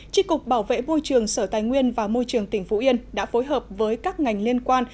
tri cục bảo vệ môi trường sở tài nguyên và môi trường tỉnh phú yên đã phối hợp với các ngành liên quan